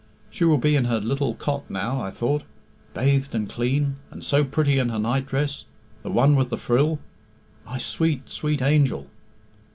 'She will be in her little cot now,' I thought, 'bathed and clean, and so pretty in her nightdress, the one with the frill!' My sweet, sweet angel!"